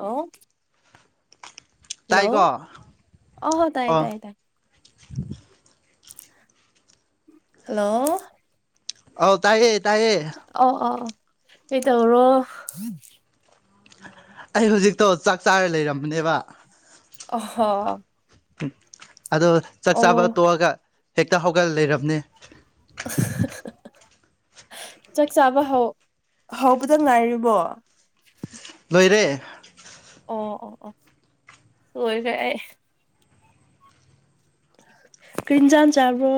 ꯑꯣ ꯍꯜꯂꯣ ꯇꯥꯏꯀꯣ ꯑꯣ ꯇꯥꯏꯌꯦ ꯇꯥꯏꯌꯦ ꯇꯥꯏ ꯍꯜꯂꯣ ꯑꯧ ꯇꯥꯏꯌꯦ ꯇꯥꯏꯌꯦ ꯑ ꯑ ꯀ ꯇꯧꯔꯣ ꯑꯩ ꯍꯧꯖꯤꯛꯇꯣ ꯆꯥꯛ ꯆꯥꯔ ꯂꯩꯔꯝꯕꯅꯦꯕ ꯑꯍ ꯑꯗꯣ ꯆꯥꯛ ꯆꯥꯕ ꯇꯣꯛꯑꯒ ꯍꯦꯛꯇ ꯍꯧꯒꯠ ꯂꯩꯔꯕꯅꯦ [unintelligible] ꯆꯥꯛ ꯆꯥꯕ ꯍꯧꯕꯗ ꯉꯥꯏꯔꯤꯕꯣ ꯂꯣꯏꯔꯦ ꯑꯣ ꯑꯣ ꯑꯣ ꯁꯣꯏꯈ꯭ꯔꯦ ꯑꯩ ꯀꯔꯤꯅ ꯆ ꯆ ꯑꯕꯣ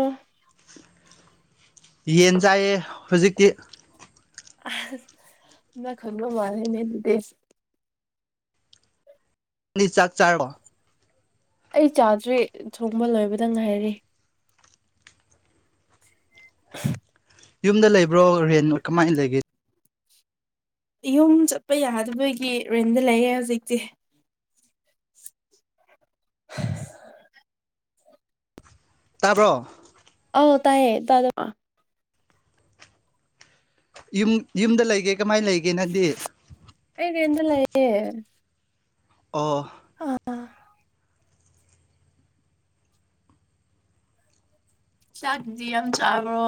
ꯌꯦꯟ ꯆꯥꯏꯌꯦ ꯍꯧꯖꯤꯛꯇꯤ ꯃ ꯈꯟꯒ ꯃꯥꯅꯦꯅꯤꯗꯤꯁ ꯑꯅꯤ ꯆꯥꯛ ꯆꯥꯔꯣ ꯑꯩ ꯆꯥꯗ꯭ꯔꯤ ꯊꯣꯡꯕ ꯂꯣꯏꯕꯗ ꯉꯥꯏꯔꯤ [unintelligible] ꯌꯨꯝꯗ ꯂꯩꯕ꯭ꯔꯣ ꯔꯦꯟ ꯀꯃꯥꯏꯅ ꯂꯩꯒꯦ ꯌꯨꯝ ꯆꯠꯄ ꯌꯥꯗꯕꯒꯤ ꯔꯔꯤꯦꯟꯗ ꯂꯩꯌꯦꯦ ꯍꯧꯖꯤꯛꯇꯤ [unintelligible] ꯇꯥꯕ꯭ꯔꯣ ꯑ ꯇꯥꯏꯌꯦ ꯇꯥꯗ ꯃꯥ ꯌꯨꯝ ꯌꯨꯝꯗ ꯂꯩꯒꯦ ꯀꯃꯥꯏꯅ ꯂꯩꯒꯦ ꯅꯪꯗꯤ ꯑꯩꯅꯦ ꯌꯦꯟ ꯂꯩꯑꯦ ꯑꯣ ꯑꯥ ꯆꯥꯛꯗꯤ ꯌꯥꯝ ꯆꯥꯕ꯭ꯔꯣ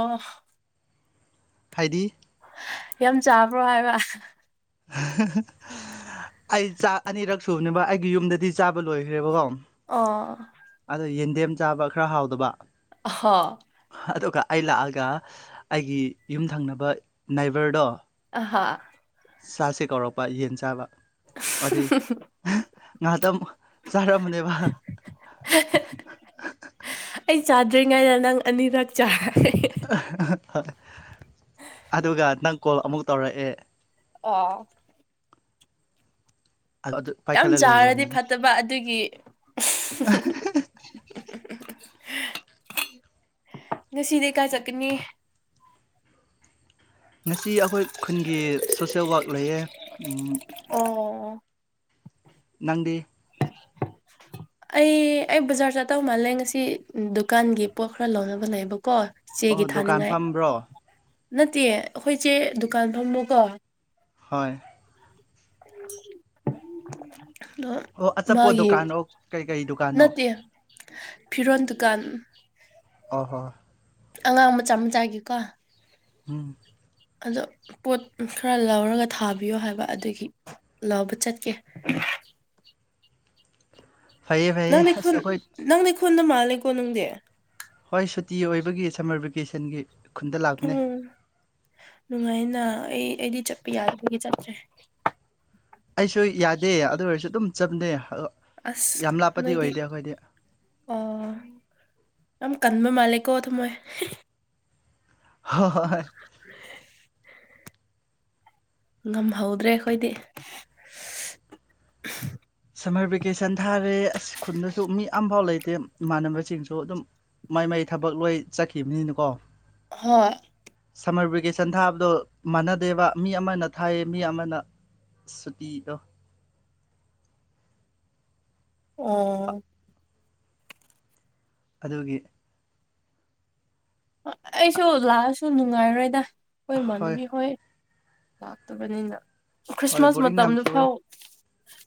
ꯍꯥꯏꯗꯤ ꯌꯥꯝ ꯆꯥꯕ꯭ꯔꯣ ꯍꯥꯏꯕ ꯑꯩ ꯆꯥꯛ ꯑꯅꯤꯔꯛ ꯁꯨꯕꯅꯦꯕ ꯑꯩꯒꯤ ꯌꯨꯝꯗꯗꯤ ꯆꯥꯕ ꯂꯣꯏꯈ꯭ꯔꯦꯕꯀꯣ ꯑꯥ ꯑꯗꯣ ꯌꯦꯟꯗꯦꯝ ꯆꯥꯕ ꯈꯔ ꯍꯥꯎꯗꯕ ꯍ ꯑꯗꯨꯒ ꯑꯩ ꯂꯥꯛꯑꯒ ꯑꯩꯒꯤ ꯌꯨꯝ ꯊꯪꯅꯕ ꯅꯥꯏꯕꯔꯗꯣ ꯍꯥ ꯁꯥꯁꯦ ꯀꯧꯔꯛꯄ ꯌꯦꯟ ꯆꯥꯕ ꯑꯗꯨꯗ ꯉꯍꯥꯛꯇ ꯆꯔꯝꯕꯅꯦꯕ ꯑꯩ ꯆꯥꯗ꯭ꯔꯤꯉꯩꯗ ꯅꯪ ꯑꯅꯤꯔꯛ ꯆꯥ ꯑꯗꯨꯒ ꯅꯪ ꯀꯣꯜ ꯑꯃꯨꯛ ꯇꯧꯔꯛꯑꯦ ꯑꯥ ꯑꯗꯨ ꯌꯥꯝ ꯄꯥꯏꯈꯠꯂ ꯆꯥꯔꯗꯤ ꯂꯩꯔꯕꯅꯦ ꯐꯠꯇꯕ ꯑꯗꯨꯒꯤ ꯉꯁꯤꯗꯤ ꯀꯥꯏ ꯆꯠꯀꯅꯤ ꯉꯁꯤ ꯑꯈꯣꯏ ꯈꯨꯟꯒꯤ ꯁꯣꯁꯦꯜ ꯋꯥꯛ ꯂꯩꯌꯦ ꯑꯣ ꯅꯪꯗꯤ [unintelligible] ꯑꯩ ꯑꯩ ꯕꯖꯥꯔ ꯆꯠꯇꯧ ꯃꯥꯜꯂꯦ ꯉꯁꯤ ꯗꯨꯀꯥꯟꯒꯤ ꯄꯣꯠ ꯈꯔ ꯂꯧꯅꯕ ꯂꯩꯕꯀꯣ ꯑꯣ ꯆꯦꯒꯤ ꯗꯨꯀꯥꯟ ꯊꯥꯅꯤꯡꯉꯥꯏ ꯐꯝꯕ꯭ꯔꯣ ꯅꯠꯇꯦ ꯑꯩꯈꯣꯏꯆꯦ ꯗꯨꯀꯥꯟ ꯐꯝꯕꯀꯣ ꯍꯣꯏ [unintelligible] ꯑꯗꯣ ꯑꯣ ꯑꯆꯥꯄꯣꯠ ꯃꯥꯒꯤ ꯗꯨꯀꯥꯟꯣ ꯀꯩꯀꯩ ꯗꯨꯀꯥꯟꯅꯣ ꯅꯠꯇꯦ ꯐꯤꯔꯣꯟ ꯗꯨꯀꯥꯟ ꯍꯣꯏ ꯍꯣꯏ ꯑꯉꯥꯡ ꯃꯆꯥ ꯃꯆꯥꯒꯤꯀꯣ ꯎꯝ ꯑꯗꯣ ꯄꯣꯠ ꯈꯔ ꯂꯧꯔꯒ ꯊꯥꯕꯤꯌꯣ ꯍꯥꯏꯕ ꯑꯗꯨꯒꯤ ꯂꯧꯕ ꯆꯠꯀꯦ [unintelligible] ꯐꯩꯌꯦ ꯐꯩꯌꯦ ꯅꯪꯗꯤ ꯑꯁ ꯈꯨꯟ ꯑꯩꯈꯣꯏ ꯅꯪꯗꯤ ꯈꯨꯟꯗ ꯃꯥꯜꯂꯦꯀꯣ ꯅꯪꯗꯤ ꯇꯤ ꯑꯣꯏꯕꯒꯤ ꯁꯝꯃꯔ ꯚꯦꯀꯦꯁꯟꯒꯤ ꯈꯨꯟꯗ ꯂꯥꯛꯄꯅꯦ ꯎꯝ ꯅꯨꯡꯉꯥꯏꯅ ꯑꯩ ꯑꯩꯗꯤ ꯆꯠꯄ ꯌꯥꯗꯕꯒꯤ ꯆꯠꯇ꯭ꯔꯦ ꯑꯩꯁꯨ ꯌꯥꯗꯦ ꯑꯗꯨ ꯑꯣꯏꯔꯁꯨ ꯑꯗꯨꯝ ꯆꯠꯂꯦ ꯑ ꯑꯁ ꯌꯥꯝ ꯂꯥꯞꯄꯗꯤ ꯅꯣꯏꯗꯤ ꯑꯣꯏꯗꯦ ꯑꯈꯣꯏꯗꯤ ꯑꯣ ꯌꯥꯝ ꯀꯟꯕ ꯃꯥꯂꯦꯀꯣ ꯊꯝꯃꯣꯏ ꯍꯣꯏ ꯍꯣꯏ ꯉꯝꯍꯧꯗ꯭ꯔꯦ ꯑꯩꯈꯣꯏꯗꯤ ꯁꯝꯃꯔ ꯚꯦꯀꯦꯁꯟ ꯊꯥꯔꯦ ꯑꯁ ꯈꯨꯟꯗꯁꯨ ꯃꯤ ꯑꯝꯐꯥꯎ ꯂꯩꯇꯦ ꯏꯃꯥꯟꯅꯕꯁꯤꯡꯁꯨ ꯑꯗꯨꯝ ꯃꯥꯏ ꯃꯥꯏ ꯊꯕꯛ ꯂꯣꯏ ꯆꯠꯈꯤꯕꯅꯤꯅꯀꯣ ꯍꯣꯏ ꯁꯝꯃꯔ ꯚꯦꯀꯦꯁꯟ ꯊꯥꯕꯗꯣ ꯃꯥꯟꯅꯗꯦꯕ ꯃꯤ ꯑꯃꯅ ꯊꯥꯏꯌꯦ ꯃꯤ ꯑꯃꯅ ꯁꯨꯇꯤꯗꯣ ꯑꯣ ꯑꯗꯨꯒꯤ ꯑꯩꯁꯨ ꯂꯥꯛꯑꯁꯨ ꯅꯨꯡꯉꯥꯏꯔꯣꯏꯗ ꯑꯩꯈꯣꯏ ꯏꯃꯥꯟꯅꯕꯤ ꯍꯣꯏ ꯂꯥꯛꯇꯕꯅꯤꯅ ꯍꯣꯏ ꯈ꯭ꯔꯤꯁꯃꯥꯁ ꯕꯣꯔꯤꯡ ꯌꯥꯝ ꯃꯇꯝꯗꯨ ꯐꯥꯎ ꯆꯨꯑꯦ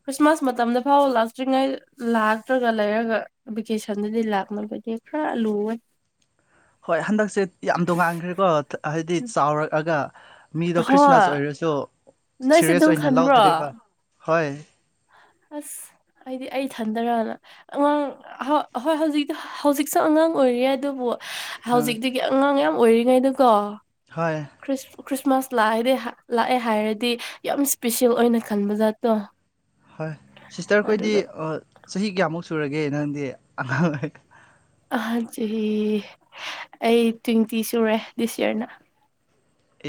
ꯈ꯭ꯔꯤꯁꯃꯥꯁ ꯃꯇꯝꯗ ꯐꯥꯎ ꯂꯥꯛꯇ꯭ꯔꯤꯉꯩ ꯂꯥꯛꯇ꯭ꯔꯒ ꯂꯩꯔꯒ ꯚꯦꯀꯦꯁꯟꯗꯗꯤ ꯂꯥꯛꯅꯕ ꯑꯗꯨ ꯈꯔ ꯂꯨꯋꯦ ꯍꯣꯏ ꯍꯟꯗꯛꯁꯦ ꯌꯥꯝ ꯇꯣꯉꯥꯟꯈ꯭ꯔꯦꯀꯣ ꯍꯥꯏꯗꯤ ꯆꯥꯎꯔꯛꯑꯒ ꯃꯤꯗꯣ ꯈ꯭ꯔꯤꯁꯃꯥꯁ ꯍꯣꯏ ꯑꯣꯏꯔꯁꯨ ꯅꯣꯏꯁꯨ ꯁꯤꯔꯤꯌꯁ ꯑꯗꯨꯝ ꯑꯣꯏꯅ ꯈꯟꯕ꯭ꯔꯣ ꯂꯧꯗ꯭ꯔꯤꯕ ꯍꯣꯏ ꯑꯁ ꯍꯥꯏꯗꯤ ꯑꯩ ꯊꯟꯗꯔꯅ ꯑꯉꯥꯡ ꯍꯣꯏ ꯍꯧꯖꯤꯛꯇꯤ ꯍꯧꯖꯤꯛꯁꯨ ꯑꯉꯥꯡ ꯑꯉꯥꯡ ꯑꯣꯏꯔꯤ ꯑꯗꯨꯕꯨ ꯑ ꯍꯧꯖꯤꯛꯇꯨꯒꯤ ꯑꯉꯥꯡ ꯌꯥꯝ ꯑꯣꯏꯔꯤꯉꯩꯗꯨꯀꯣ ꯍꯣꯏ ꯈ꯭ꯔꯤꯁ ꯈ꯭ꯔꯤꯁꯃꯥꯁ ꯂꯥꯛꯑꯗꯤ ꯂꯥꯛꯑꯦ ꯍꯥꯏꯔꯗꯤ ꯌꯥꯝ ꯏꯁꯄꯤꯁꯦꯜ ꯑꯣꯏꯅ ꯈꯟꯕꯖꯥꯠꯇꯣ ꯍꯣꯏ ꯁꯤꯁꯇꯔ ꯈꯣꯏꯗꯤ ꯆꯍꯤ ꯀꯌꯥꯃꯨꯛ ꯁꯨꯔꯒꯦ ꯅꯪꯗꯤ ꯑꯉꯥꯡ ꯑꯍꯥꯟ ꯆꯍꯤ ꯑꯩ ꯇ꯭ꯋꯦꯟꯇꯤ ꯁꯨꯔꯦ ꯗꯤꯁ ꯌꯔꯅ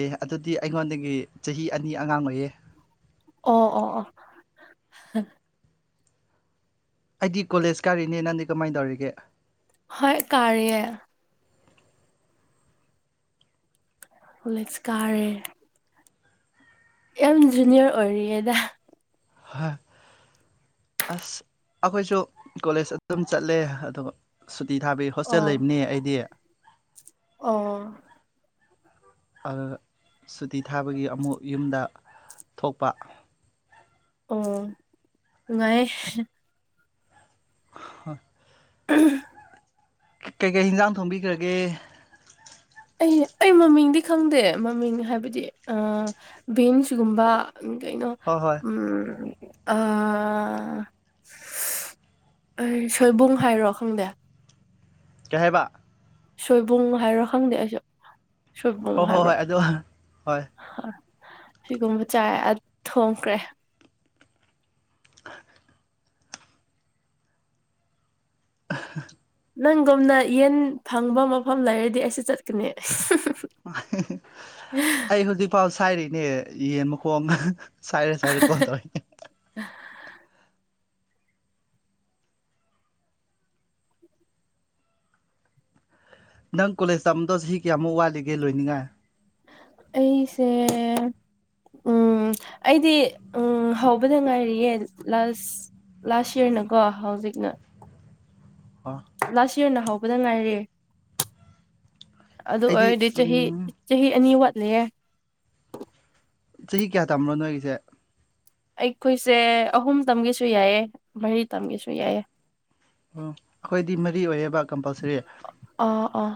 ꯑꯦ ꯑꯗꯨꯗꯤ ꯑꯩꯉꯣꯟꯗꯒꯤ ꯆꯍꯤ ꯑꯅꯤ ꯑꯉꯥꯡ ꯑꯣꯏꯌꯦ ꯑꯣ ꯑꯣ ꯑꯣ ꯑꯩꯗꯤ ꯀꯣꯂꯦꯖ ꯀꯥꯔꯤꯅꯦ ꯅꯪꯗꯤ ꯀꯃꯥꯏ ꯇꯧꯔꯤꯒꯦ ꯍꯣꯏ ꯀꯥꯔꯤꯌꯦ ꯀꯣꯂꯦꯁ ꯀꯥꯔꯤ ꯌꯥꯝ ꯖꯨꯅꯤꯌꯔ ꯑꯣꯏꯔꯤꯌꯦꯗ ꯍꯣꯏ ꯑꯁ ꯑꯩꯈꯣꯏꯁꯨ ꯀꯣꯂꯦꯖ ꯑꯗꯨꯝ ꯆꯠꯂꯦ ꯑꯗꯨꯒ ꯇꯇꯤ ꯊꯥꯕꯤ ꯍꯣꯁꯇꯦꯜ ꯑꯣ ꯂꯩꯕꯅꯤ ꯑꯩꯗꯤ ꯑꯣ ꯁꯨꯇꯤ ꯊꯥꯕꯒꯤ ꯑꯃꯨꯛ ꯌꯨꯝꯗ ꯊꯣꯛꯄ ꯑꯣ ꯅꯨꯡꯉꯥꯏ ꯍꯣꯏ ꯎ ꯀꯩꯀꯩ ꯍꯤꯟꯖꯥꯡ ꯊꯣꯡꯕꯤꯈ꯭ꯔꯒꯦ ꯑꯩ ꯑꯩ ꯃꯃꯤꯡꯗꯤ ꯈꯪꯗꯦ ꯃꯃꯤꯡ ꯍꯥꯏꯕꯗꯤ ꯕꯤꯟꯁꯒꯨꯝꯕ ꯀꯩꯅꯣ ꯍꯣꯏ ꯍꯣꯏ ꯎꯝ ꯑ ꯑꯩ ꯁꯣꯏꯕꯨꯡ ꯍꯥꯏꯔꯣ ꯈꯪꯗꯦ ꯆꯍꯕ ꯁꯣꯏꯕꯨꯝ ꯍꯥꯏꯕ꯭ꯔꯣ ꯈꯪꯗꯦ ꯑꯩꯁꯨ ꯁꯣꯏꯕꯨꯝ ꯍꯣꯏ ꯍꯣꯏ ꯍꯥꯏꯕ꯭ꯔꯣ ꯍꯣꯏ ꯑꯗꯣ ꯍꯣꯏ ꯁꯤꯒꯨꯝꯕ ꯆꯥꯏ ꯊꯣꯡꯈ꯭ꯔꯦ ꯑ [unintelligible] ꯅꯪꯒꯨꯝꯅ ꯌꯦꯟ ꯐꯪꯕ ꯃꯐꯝ ꯂꯩꯔꯗꯤ ꯑꯩꯁꯨ ꯆꯠꯀꯅꯤ ꯑꯩ ꯍꯧꯖꯤꯛꯐꯥꯎ ꯁꯥꯏꯔꯤꯅꯦ ꯌꯦꯟ ꯃꯈꯣꯡ ꯁꯥꯏꯔꯦ ꯁꯥꯏꯔꯦ ꯀꯗꯅꯦ ꯅꯪ ꯀꯣꯂꯦꯖ ꯇꯝꯕꯗꯧ ꯁꯤ ꯀꯌꯥꯃꯨꯛ ꯋꯥꯠꯂꯤꯒꯦ ꯂꯣꯏꯅꯤꯡꯉꯥꯏ ꯑꯩꯁꯦ ꯎꯝ ꯑꯩꯗꯤ ꯎꯝ ꯍꯧꯕꯗ ꯉꯥꯏꯔꯤꯌꯦ ꯂꯥꯁ ꯂꯥꯁ ꯌꯔꯅꯀꯣ ꯍꯧꯖꯤꯛꯅ ꯑꯣ ꯂꯥꯁ ꯌꯔꯅ ꯍꯧꯕꯗ ꯉꯥꯏꯔꯦ ꯑꯗꯨ ꯑꯩꯗꯤ ꯑꯣꯏꯔꯗꯤ ꯆꯍꯤ ꯎꯝ ꯆꯍꯤ ꯑꯅꯤ ꯋꯥꯠꯂꯦ ꯆꯍꯤ ꯀꯌꯥ ꯇꯝꯕꯅꯣ ꯅꯣꯏꯒꯤꯁꯦ ꯑꯩꯈꯣꯏꯁꯦ ꯑꯍꯨꯝ ꯇꯝꯒꯦꯁꯨ ꯌꯥꯏꯌꯦ ꯃꯔꯤ ꯇꯝꯒꯁꯨ ꯌꯥꯏꯌꯦ ꯑꯣ ꯑꯩꯈꯣꯏꯗꯤ ꯃꯔꯤ ꯑꯣꯏꯌꯦꯕ ꯀꯝꯄꯜꯁ ꯑ ꯑ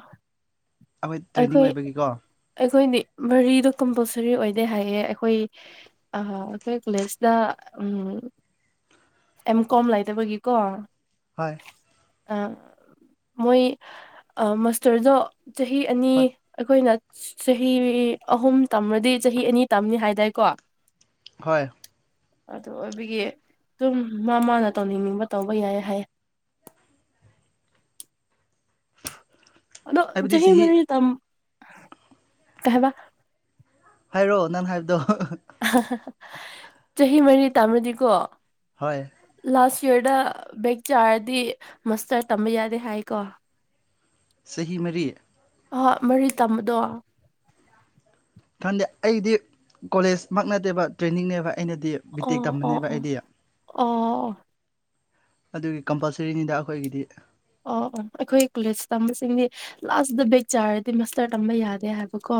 ꯑꯩꯈꯣꯏ ꯇ꯭ꯔꯦꯟꯅꯤꯡ ꯑꯣꯏꯕꯒꯤꯀꯣ ꯑꯩꯈꯣꯏꯗꯤ ꯃꯔꯤꯗꯣ ꯀꯝꯄꯜꯁꯔꯤ ꯑꯣꯏꯗꯦ ꯍꯥꯏꯌꯦ ꯑꯩꯈꯣꯏ ꯑꯩꯈꯣꯏ ꯀꯣꯂꯦꯖꯇ ꯎꯝ ꯎ ꯑꯦꯝ ꯀꯣꯝ ꯂꯩꯇꯕꯒꯤꯀꯣ ꯍꯣꯏ ꯑ ꯃꯣꯏ ꯑ ꯃꯁꯇꯔꯖ ꯆꯍꯤ ꯑꯅꯤ ꯍꯣꯏ ꯑꯩꯈꯣꯏꯅ ꯆꯍꯤ ꯑꯍꯨꯝ ꯇꯝꯃꯗꯤ ꯆꯍꯤ ꯑꯅꯤ ꯇꯝꯅꯤ ꯍꯥꯏꯗꯥꯏꯀꯣ ꯍꯣꯏ ꯑꯗꯨ ꯑꯣꯏꯕꯒꯤ ꯑꯗꯨꯝ ꯃꯥ ꯃꯥꯅ ꯇꯧꯅꯤꯡꯅꯤꯡꯕ ꯇꯧꯕ ꯌꯥꯏ ꯍꯥꯏ ꯑꯗꯣ ꯆꯍꯤ ꯃꯅꯤ ꯇꯝ ꯀꯥꯏꯕ ꯍꯥꯏꯔꯛꯑꯣ ꯅꯪꯥꯟ ꯍꯥꯏꯕꯗꯣ ꯆꯍꯤ ꯃꯔꯤ ꯇꯥꯃꯗꯤꯀꯣ ꯍꯣꯏ ꯀꯌꯔꯗ ꯕꯦꯛ ꯆꯥꯔꯗꯤ ꯃꯁꯇꯔꯠ ꯇꯝꯕ ꯌꯥꯗꯦ ꯍꯥꯏ ꯀꯣ ꯁꯍꯤ ꯃꯔꯤ ꯑ ꯃꯔꯤ ꯇꯝꯕꯗꯣ ꯈꯟꯗꯦ ꯑꯩꯗꯤ ꯀꯣꯂꯦꯖꯃꯛ ꯅꯠꯇꯦꯕ ꯇ꯭ꯔꯦꯅꯤꯡꯅꯦꯕ ꯑꯩꯅꯗꯤ ꯕꯤꯇꯦꯛ ꯑꯣ ꯇꯝꯕꯅꯦꯕ ꯑꯣ ꯑꯩꯗꯤ ꯑꯣ ꯑꯗꯨꯒꯤ ꯀꯝꯄꯜꯁꯔꯤꯅꯤꯗ ꯑꯩꯈꯣꯏꯒꯤꯗꯤ ꯑꯣ ꯑꯣ ꯑꯩꯈꯣꯏ ꯀꯣꯂꯦꯖ ꯇꯝꯕꯁꯤꯡꯗꯤ ꯂꯥꯁꯇ ꯕꯦꯛ ꯆꯥꯔꯗꯤ ꯃꯥꯁꯇꯔ ꯇꯝꯕ ꯌꯥꯗꯦ ꯍꯥꯏꯕꯀꯣ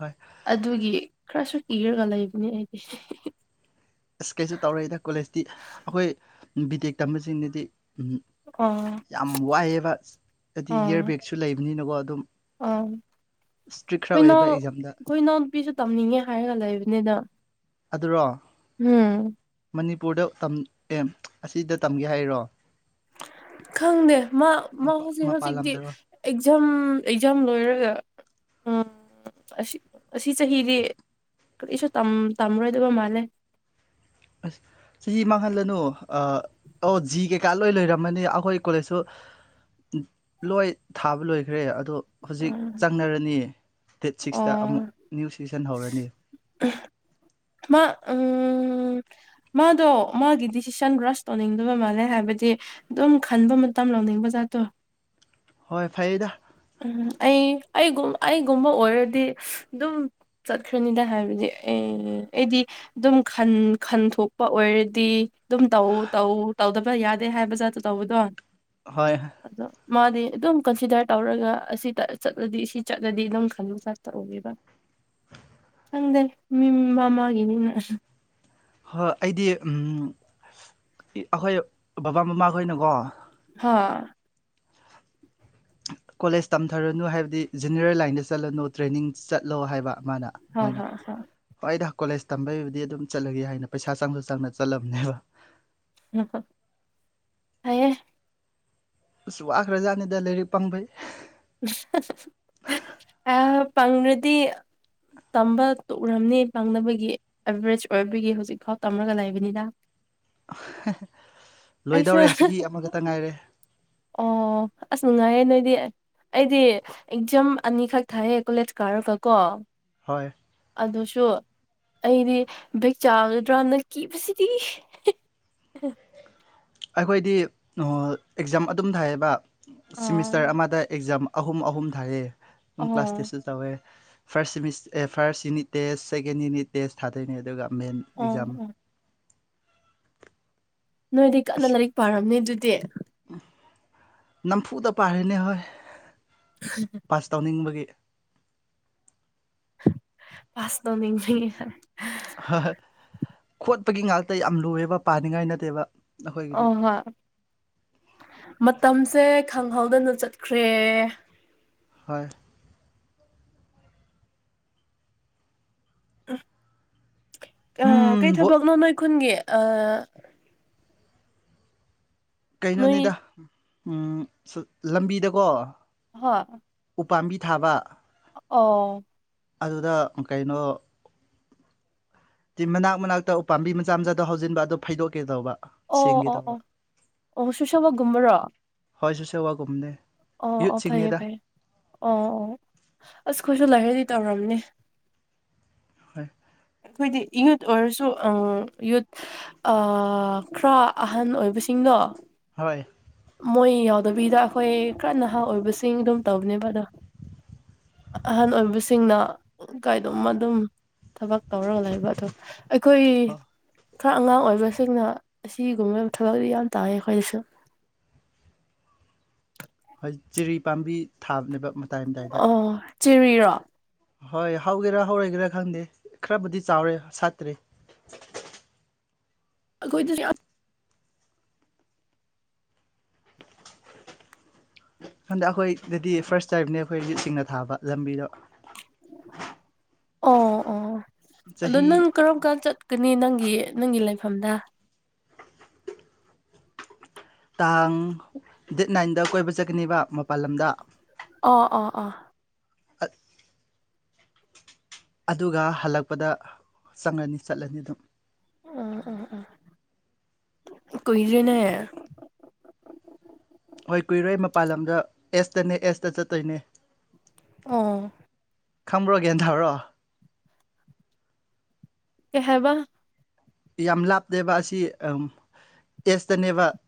ꯍꯣꯏ ꯑꯗꯨꯒꯤ ꯈꯔꯁꯨ ꯀꯤꯔꯒ ꯂꯩꯕꯅꯦ ꯑꯩꯒꯤ ꯏꯁ ꯀꯩꯁꯨ ꯇꯧꯔꯛꯏꯗ ꯀꯣꯂꯦꯖꯇꯤ ꯑꯩꯈꯣꯏ ꯕꯤ ꯇꯦꯛ ꯇꯝꯕꯁꯤꯡꯅꯗꯤ ꯑꯥ ꯌꯥꯝ ꯋꯥꯏꯑꯦꯕ ꯍꯥꯏꯗꯤ ꯏꯌꯥꯔ ꯕꯦꯒꯁꯨ ꯂꯩꯕꯅꯤꯅꯀꯣ ꯑꯗꯨꯝ ꯑ ꯏꯁꯇ꯭ꯔꯤꯛ ꯈꯔ ꯑꯩꯈꯣꯏꯅꯥꯎ ꯑꯣꯏꯌꯦꯕ ꯑꯦꯛꯖꯥꯝꯗ ꯑꯩꯈꯣꯏ ꯏꯅꯥꯎ ꯅꯨꯄꯤꯁꯨ ꯇꯝꯅꯤꯡꯉꯦ ꯍꯥꯏꯔꯒ ꯂꯩꯕꯅꯤꯅ ꯑꯗꯨꯔꯣ ꯎꯝ ꯃꯅꯤꯄꯨꯔꯗ ꯑꯁꯤꯗ ꯇꯝꯒꯦ ꯍꯥꯏꯔꯣ ꯈꯪꯗꯦ ꯃꯥ ꯃꯥ ꯃꯄꯥ ꯍꯧꯖꯤꯛ ꯃꯄꯥꯟ ꯍꯧꯖꯤꯛꯇꯤ ꯂꯝꯗꯔꯣ ꯑꯦꯛꯖꯥꯝ ꯑꯦꯛꯖꯥꯝ ꯂꯣꯏꯔꯒ ꯎ ꯑꯁꯤ ꯆꯍꯤꯗꯤ ꯀꯔꯤꯁꯨ ꯇꯥꯝꯔꯣꯏꯗꯕ ꯃꯥꯜꯂꯦ ꯑꯁ ꯆꯍꯤ ꯃꯥꯡꯍꯜꯂꯅꯨ ꯑꯣ ꯖꯤ ꯀꯩꯀꯥ ꯂꯣꯏ ꯂꯩꯔꯝꯃꯅꯤ ꯑꯩꯈꯣꯏ ꯀꯣꯂꯦꯖꯁꯨ ꯂꯣꯏ ꯊꯥꯕ ꯂꯣꯏꯈ꯭ꯔꯦ ꯑꯗꯣ ꯑ ꯍꯧꯖꯤꯛ ꯆꯪꯅꯔꯅꯤꯌꯦ ꯗꯦꯠ ꯁꯤꯛꯁꯇ ꯑꯃꯨꯛ ꯑꯣ ꯅ꯭ꯌꯨ ꯁꯤꯖꯟ ꯍꯧꯔꯅꯤ ꯃꯥ ꯎꯝ ꯃꯥꯗꯣ ꯃꯥꯒꯤ ꯗꯤꯁꯤꯁꯟ ꯔꯕ꯭ꯔꯁ ꯇꯧꯅꯤꯡꯗꯕ ꯃꯥꯜꯂꯦ ꯍꯥꯏꯕꯗꯤ ꯑꯗꯨꯝ ꯈꯟꯕ ꯃꯇꯝ ꯂꯧꯅꯤꯡꯕ ꯆꯠꯇꯣ ꯍꯣꯏ ꯐꯩꯌꯦꯗ ꯎꯝ ꯑꯩꯒꯨꯝ ꯑꯩꯒꯨꯝꯕ ꯑꯣꯏꯔꯗꯤ ꯑꯗꯨꯝ ꯆꯠꯈ꯭ꯔꯅꯤꯗ ꯍꯥꯏꯕꯗꯤ ꯑꯦ ꯑꯩꯗꯤ ꯑꯗꯨꯝ ꯈꯟꯊꯣꯛꯄ ꯑꯣꯏꯔꯗꯤ ꯑꯗꯨꯝ ꯇꯧꯎ ꯇꯧ ꯇꯧꯗꯕ ꯌꯥꯗꯦ ꯍꯥꯏꯕꯖꯥ ꯑꯗꯨ ꯇꯧꯕꯗꯣ ꯍꯣꯏ ꯑꯗꯣ ꯃꯥꯗꯤ ꯑꯗꯨꯝ ꯀꯜꯐꯤꯗꯔ, ꯇꯧꯔꯒ ꯑꯁꯤ ꯆꯠꯂꯗꯤ ꯁꯤ ꯆꯠꯂꯗꯤ ꯑꯗꯨꯝ ꯈꯟꯂ ꯆꯥ ꯇꯧꯒꯕ ꯆꯪꯗꯦ ꯃꯤ ꯃꯥꯃꯥꯒꯤꯅꯤꯅ ꯍꯣꯏ ꯑꯩꯗꯤ ꯎꯝ ꯑꯩꯈꯣꯏ ꯕꯕꯥ ꯃꯃꯥꯈꯣꯏꯅꯀꯣ ꯍꯥꯥ ꯀꯣꯂꯦꯖ ꯇꯝꯊꯔꯅꯨ ꯍꯥꯏꯕꯗꯤ ꯏꯟꯖꯤꯅꯤꯌꯔ ꯂꯥꯏꯟꯗ ꯆꯠꯂꯅꯨ ꯇ꯭ꯔꯦꯅꯤꯡ ꯆꯠꯂꯣ ꯍꯥꯏꯕ ꯑꯃꯅ ꯍꯥ ꯃꯣꯏꯅ ꯍꯥ ꯍꯥ ꯍꯣꯏꯗ ꯀꯣꯂꯦꯖ ꯇꯝꯕꯩꯕꯨꯗꯤ ꯑꯗꯨꯝ ꯆꯠꯂꯒꯦ ꯍꯥꯏꯅ ꯄꯩꯁꯥ ꯆꯪꯁꯨ ꯆꯪꯅ ꯆꯠꯂꯕꯅꯦꯕ ꯍꯌꯦꯦ ꯑꯁ ꯋꯥꯈ꯭ꯔꯖꯥꯠꯅꯤꯗ ꯂꯥꯏꯔꯤꯛ ꯄꯥꯕꯩ ꯑ ꯄꯪꯔꯗꯤ ꯇꯝꯕ ꯇꯎꯔꯝꯅꯤ ꯄꯥꯡꯅꯕꯒꯤ ꯑꯦꯚꯔꯦꯖ ꯑꯣꯏꯕꯒꯤ ꯍꯧꯖꯤꯛꯐꯥꯎ ꯇꯝꯔꯒ ꯂꯩꯕꯅꯤꯗ [inaudible] ꯑꯩꯁꯨ ꯂꯣꯏꯗꯧꯔꯦ ꯆꯍꯤ ꯑꯃꯈꯛꯇ ꯉꯥꯏꯔꯦ ꯑꯣ ꯑꯁ ꯅꯨꯡꯉꯥꯏ ꯅꯣꯏꯗꯤ ꯑꯩꯗꯤ ꯑꯦꯛꯖꯥꯝ ꯑꯅꯤꯈꯛ ꯊꯥꯏꯌꯦ ꯀꯣꯂꯦꯖ ꯀꯥꯔꯒ ꯀꯣ ꯍꯣꯏ ꯑꯗꯨꯁꯨ ꯑꯩꯗꯤ ꯕꯦꯛ ꯆꯥꯒꯗ꯭ꯔꯥꯅ ꯀꯤꯕꯁꯤꯗꯤ ꯎꯝ ꯑꯩꯈꯣꯏꯗꯤ ꯑꯦꯛꯖꯥꯝ ꯑꯗꯨꯝ ꯊꯥꯏꯌꯦꯕ ꯑꯥ ꯁꯤꯃꯤꯁꯇꯔ ꯑꯃꯗ ꯑꯦꯛꯖꯥꯝ ꯑꯍꯨꯝ ꯑꯍꯨꯝ ꯊꯥꯔꯛꯑꯦ ꯑꯗꯨꯝ ꯑꯣ ꯀ꯭ꯂꯥꯁ ꯇꯦꯁꯁꯨ ꯇꯧꯋꯦ first first unit test second unit test ꯊꯥꯗꯣꯏꯅꯦ ꯑꯗꯨꯒ ꯃꯦꯟ ꯑꯣ ꯑꯦꯛꯖꯥꯝ ꯅꯣꯏꯗꯤ ꯀꯟꯅ ꯑꯁ ꯂꯥꯏꯔꯤꯛ ꯄꯥꯔꯝꯅꯦ ꯑꯗꯨꯗꯤ ꯅꯝꯐꯨꯗ ꯄꯥꯔꯤꯅꯦ ꯍꯣꯏ ꯄꯥꯁ ꯇꯧꯅꯤꯡꯕꯒꯤ ꯄꯥꯁ ꯗꯣ ꯈꯣꯠꯄꯒꯤ ꯉꯥꯛꯇ ꯌꯥꯝ ꯂꯨꯑꯦꯕ ꯄꯥꯅꯤꯡꯉꯥꯏ ꯅꯠꯇꯦꯕ ꯑꯩꯈꯣꯏꯒꯤꯗꯤ ꯑꯣꯍꯣ ꯃ ꯃꯇꯝ ꯁꯦ ꯈꯪꯍꯧꯗꯅ ꯆꯠꯈ꯭ꯔꯦ ꯍꯣꯏ [inaudible] ꯀꯩ ꯎꯝ ꯕꯣꯠ ꯊꯕꯛꯅꯣ ꯅꯣꯏ ꯈꯨꯟꯒꯤ ꯅꯣꯏ ꯀꯩꯅꯣꯅꯤꯗ ꯎ ꯂꯝꯕꯤꯗꯀꯣ ꯍꯥ [unintelligible] [inaudible] ꯎꯄꯥꯝꯕꯤ ꯊꯥꯕ ꯑꯣ ꯑꯗꯨꯗ ꯀꯩꯅꯣ ꯃꯅꯥꯛ ꯃꯅꯥꯛꯇ ꯎꯄꯥꯝꯕꯤ ꯃꯆꯥ ꯃꯆꯥꯗꯣ ꯍꯧꯖꯤꯟꯕ ꯑꯗꯨꯣ ꯐꯩꯗꯣꯛꯀꯦ ꯇꯧꯕ ꯑꯣ ꯁꯦꯡꯒꯦ ꯑꯣ ꯑꯣ ꯇꯧꯕ ꯑꯣ ꯁꯨꯁꯕꯒꯨꯝꯕꯔꯣ ꯍꯣꯏ ꯁꯤ ꯁꯦ ꯋꯥꯒꯨꯝꯅꯦ ꯑꯣ ꯑꯣ ꯐꯥꯏꯌꯦ ꯐꯥꯏꯌꯦ ꯑꯣ ꯑꯣ ꯑꯩꯈꯣꯏꯁꯨ ꯂꯥꯏꯔꯤꯗꯤ ꯇꯧꯔꯝꯅꯦ ꯍꯣꯏ ꯑꯩꯈꯣꯏꯗꯤ ꯌꯨꯠ ꯑꯣꯏꯔꯁꯨ ꯌꯨꯠ ꯈꯔ ꯑꯍꯟ ꯑꯣꯏꯕ ꯁꯤꯡꯒꯣ ꯍꯣꯏ ꯃꯣꯏ ꯌꯥꯎꯗꯕꯤꯗ ꯑꯩꯈꯣꯏ ꯀꯟꯅꯍ ꯑꯣꯏꯕꯁꯤꯡ ꯑꯗꯨꯝ ꯇꯧꯕꯅꯦꯕ ꯑꯗꯣ ꯑꯍꯟ ꯑꯣꯏꯕꯁꯤꯡꯅ ꯀꯥꯏꯗꯝ ꯑꯗꯨꯝ ꯊꯕꯛ ꯇꯧꯔꯒ ꯂꯩꯕ ꯑꯣ ꯑꯩꯈꯣꯏ ꯍꯣꯏ ꯈꯔ ꯑꯉꯥꯡ ꯑꯣꯏꯕꯁꯤꯡꯅ ꯑꯁꯤꯒꯨꯝꯕ ꯊꯕꯛꯇꯤ ꯌꯥꯝ ꯇꯥꯏꯏ ꯑꯩꯈꯣꯏꯗꯁꯨ ꯍꯣꯏ ꯆꯖꯤꯔꯤ ꯄꯥꯝꯕꯤ ꯊꯥꯕꯅꯦꯕ ꯃꯇꯥꯏ ꯑꯗꯥꯏꯗ ꯆꯤꯔꯤꯔꯣ ꯍꯣꯏ ꯍꯧꯒꯦꯔꯥ ꯍꯧꯔꯣꯏꯒꯦꯔꯥ ꯈꯪꯗꯦ ꯈꯔꯕꯨꯗꯤ ꯆꯥꯎꯔꯦ ꯁꯥꯠꯇ꯭꯭ꯔꯔꯤ ꯗ ꯌꯥ [unintelligible] [inaudible] ꯍꯟꯗꯛ ꯑꯩꯈꯣꯏꯗꯗꯤ ꯐꯥꯔꯁ ꯇꯥꯏꯝꯅꯦ ꯑꯩꯈꯣꯏ ꯍꯧꯖꯤ ꯁꯤꯡꯅ ꯊꯥꯕ ꯂꯝꯕꯤꯗꯣ ꯑꯣ ꯑꯣ ꯑꯗꯣ ꯆꯍꯤ ꯅꯪ ꯀꯔꯝ ꯀꯥꯟ ꯆꯠꯀꯅꯤ ꯅꯪꯒꯤ ꯅꯪꯒꯤ ꯂꯥꯏ ꯁꯝꯗ [unintelligible] [inaudible] ꯇꯥꯡ ꯗꯦꯠ ꯅꯥꯏꯟꯗ ꯀꯣꯏꯕ ꯆꯠꯀꯅꯦꯕ ꯃꯄꯜ ꯂꯝꯗ ꯑ ꯑ ꯑ [unintelligible] [inaudible] ꯑ [unintelligible] [inaudible] ꯑꯗꯨꯒ ꯍꯜꯂꯛꯄꯗ ꯆꯪꯪꯂꯅꯤ ꯆꯠꯂꯅꯤ ꯑꯗꯨꯝ ꯎ ꯎꯝ ꯑꯝ ꯀꯏꯗ꯭ꯔꯤꯅꯔ ꯍꯣꯏ ꯀꯨꯏꯔꯣꯏ ꯃꯄꯥꯟ ꯂꯝꯗ ꯑꯦꯁꯇꯅꯦ ꯑꯦꯁꯇ ꯆꯠꯇꯣꯏꯅꯦ ꯑꯥ ꯈꯝꯕ꯭ꯔꯣꯒꯦꯟꯊꯥꯔꯣ ꯀꯍꯦꯕ [unintelligible] [inaudible] ꯌꯥꯝ ꯂꯥꯞꯇꯦꯕ ꯑꯁꯤ ꯑꯦꯁꯇꯅꯦꯕ